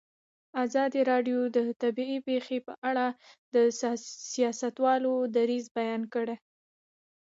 ازادي راډیو د طبیعي پېښې په اړه د سیاستوالو دریځ بیان کړی.